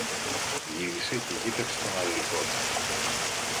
Γύρισε και κοίταξε τον αδελφό της.